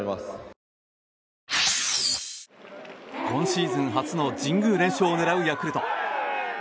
今シーズン初の神宮連勝を狙うヤクルト。